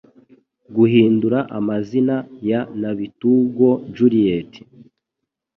guhindura amazina ya NABITOOGO Juliet